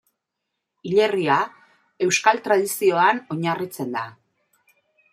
Hilerria euskal tradizioan oinarritzen da.